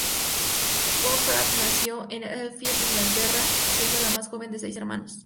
Goldfrapp nació en Enfield, Inglaterra, siendo la más joven de seis hermanos.